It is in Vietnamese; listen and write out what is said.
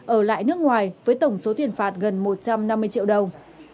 ở lại nước ngoài với tổng số tiền phạt gần một trăm năm mươi triệu đồng